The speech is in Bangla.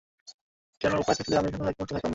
কোনো উপায় থাকলে, আমি এখানে একমূহুর্তও থাকতাম না।